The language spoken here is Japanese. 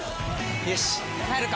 よし帰るか！